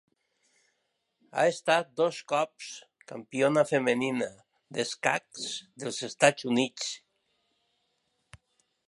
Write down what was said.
Ha estat dos cops campiona femenina d'escacs dels Estats Units.